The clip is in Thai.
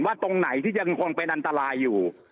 ตรงไหนที่ยังคงเป็นอันตรายอยู่